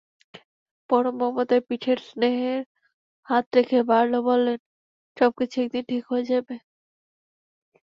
পরম মমতায়, পিঠে স্নেহের হাত রেখে বার্লো বললেন, সবকিছু একদিন ঠিক হয়ে যাবে।